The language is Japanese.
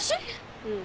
うん。